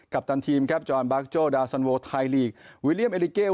ปตันทีมครับจอนบาร์โจดาซันโวไทยลีกวิเลี่ยมเอลิเกล